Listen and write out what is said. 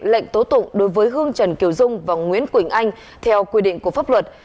lệnh tố tụng đối với hương trần kiều dung và nguyễn quỳnh anh theo quy định của pháp luật